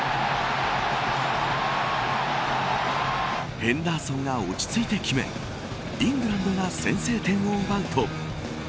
ヘンダーソンが落ち着いて決めイングランドが先制点を奪うと。